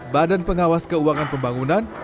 badan pengawas keuangan pembangunan